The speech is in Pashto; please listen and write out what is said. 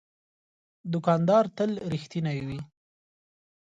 دوکاندار تل رښتینی وي.